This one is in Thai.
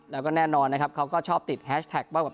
แล้วก็แน่นอนนะครับเขาก็ชอบติดแฮชแท็กว่า